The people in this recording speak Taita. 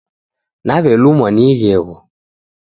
Nawelumwa ni ighegho